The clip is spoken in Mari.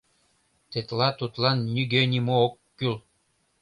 Тетла тудлан нигӧ-нимо ок кӱл.